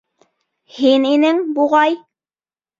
Һин инең, буғай!